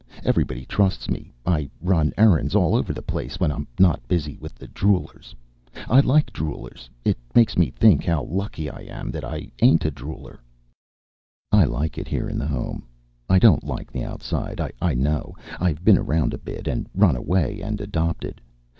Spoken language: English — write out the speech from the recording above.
Everybody trusts me. I run errands all over the place, when I'm not busy with the droolers. I like droolers. It makes me think how lucky I am that I ain't a drooler. I like it here in the Home. I don't like the outside. I know. I've been around a bit, and run away, and adopted.